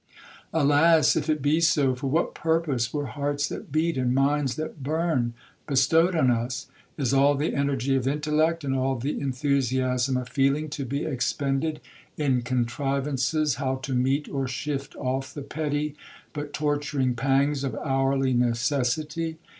Alas! if it be so, for what purpose were hearts that beat, and minds that burn, bestowed on us? Is all the energy of intellect, and all the enthusiasm of feeling, to be expended in contrivances how to meet or shift off the petty but torturing pangs of hourly necessity?